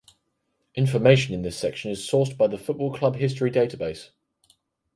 Information in this section is sourced from the Football Club History Database.